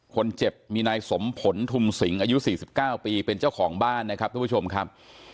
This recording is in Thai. คนเจ็บมีนายสมผลทุมสิงอายุ๔๙ปีเป็นเจ้าของบ้านนะครับทุกผู้ชมครับ